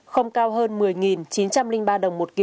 không cao hơn một mươi hai một trăm một mươi bốn đồng một lít